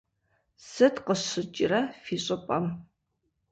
Сыт къыщыкӏрэ фи щӏыпӏэм?